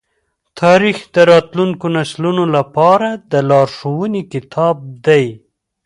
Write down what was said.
تاریخ د راتلونکو نسلونو لپاره د لارښوونې کتاب دی.